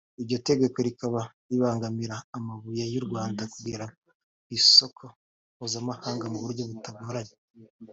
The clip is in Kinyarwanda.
Iryo tegeko rikaba ribangamira amabuye y’u Rwanda kugera ku isoko mpuzamahanga mu buryo butagoranye